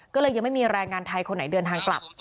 ก็เลยยังไม่มีแรงงานไทยคนไหนเดินทางกลับ